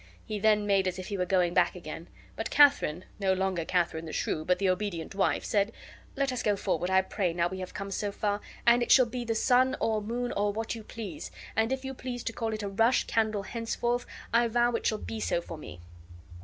He then made as if he were going back again. But Katharine, no longer Katharine the Shrew, but the obedient wife, said, "Let us go forward, I pray, now we have come so far, and it shall be the sun, or moon, or what you please; and if you please to call it a rush candle henceforth, I vow it shall be so for me."